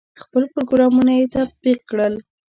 خپل پروګرامونه یې تطبیق کړل.